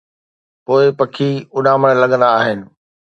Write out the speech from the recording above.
پوءِ پکي اُڏامڻ لڳندا آهن.